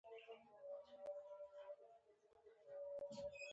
چې د امریکایانو معلومات به د چین له دولت سره نه شریکوي